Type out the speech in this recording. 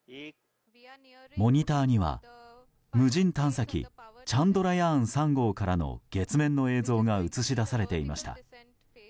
モニターには無人探査機「チャンドラヤーン３号」からの月面の映像が映し出されていました。